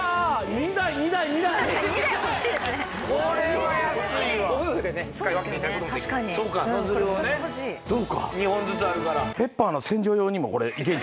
２本ずつあるから。